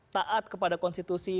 taat kepada konstitusi